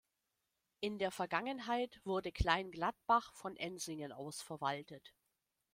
In der Vergangenheit wurde Kleinglattbach von Ensingen aus verwaltet.